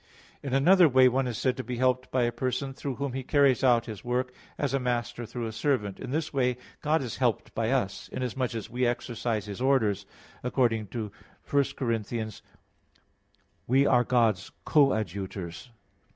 In another way one is said to be helped by a person through whom he carries out his work, as a master through a servant. In this way God is helped by us; inasmuch as we execute His orders, according to 1 Cor. 3:9: "We are God's co adjutors."